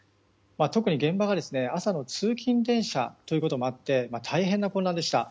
特に、現場は朝の通勤電車ということもあって大変な混乱でした。